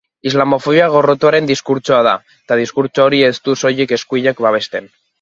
Islamofobia gorrotoaren diskurtsoa da, eta diskurtso hori ez du soilik eskuinak babesten.